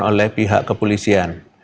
oleh pihak kepolisian